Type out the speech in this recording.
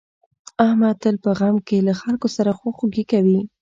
احمد تل په غم کې له خلکو سره خواخوږي کوي.